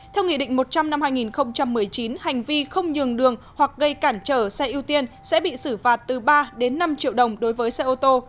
theo nghị định một trăm linh năm hai nghìn một mươi chín hành vi không nhường đường hoặc gây cản trở xe ưu tiên sẽ bị xử phạt từ ba đến năm triệu đồng đối với xe ô tô